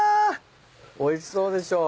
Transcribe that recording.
おいしそうでしょ？